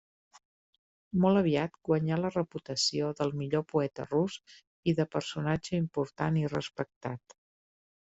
Molt aviat guanyà la reputació del millor poeta rus i de personatge important i respectat.